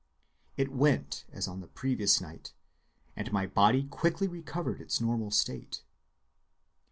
It went as on the previous night, and my body quickly recovered its normal state.